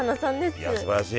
いやすばらしい！